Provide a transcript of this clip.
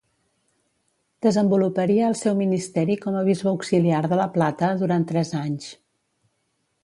Desenvoluparia el seu ministeri com a bisbe auxiliar de La Plata durant tres anys.